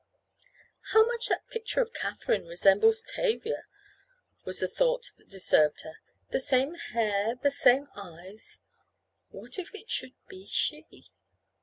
"How much that picture of Katherine resembles Tavia," was the thought that disturbed her. "The same hair—the same eyes—what if it should be she?"